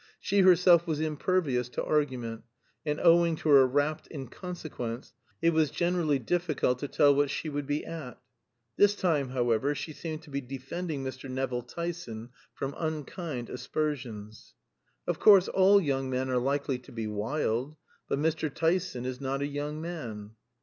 She herself was impervious to argument, and owing to her rapt inconsequence it was generally difficult to tell what she would be at. This time, however, she seemed to be defending Mr. Nevill Tyson from unkind aspersions. "Of course, all young men are likely to be wild; but Mr. Tyson is not a young man."